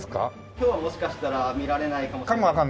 今日はもしかしたら見られないかもしれないですけど。